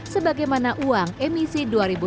sebagaimana uang emisi dua ribu sembilan belas